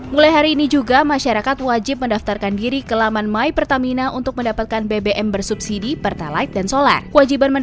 mulai hari ini juga masyarakat wajib mendaftarkan diri ke laman my pertamina untuk mendapatkan bbm bersubsidi pertalite dan solar